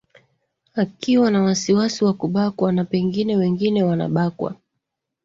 akiwa na wasiwasi wa kubakwa na pengine wengine wanabakwa